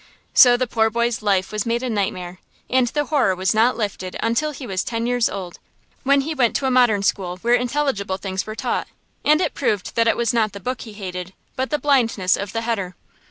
So the poor boy's life was made a nightmare, and the horror was not lifted until he was ten years old, when he went to a modern school where intelligible things were taught, and it proved that it was not the book he hated, but the blindness of the heder.